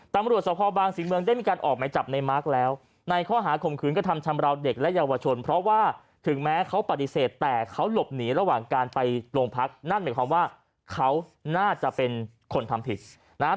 ตำรวจสภบางศรีเมืองได้มีการออกหมายจับในมาร์คแล้วในข้อหาข่มขืนกระทำชำราวเด็กและเยาวชนเพราะว่าถึงแม้เขาปฏิเสธแต่เขาหลบหนีระหว่างการไปโรงพักนั่นหมายความว่าเขาน่าจะเป็นคนทำผิดนะฮะ